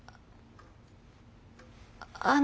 あの。